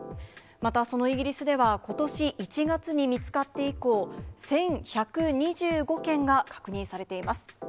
またそのイギリスでは、ことし１月に見つかって以降、１１２５件が確認されています。